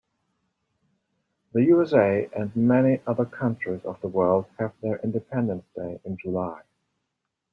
The USA and many other countries of the world have their independence day in July.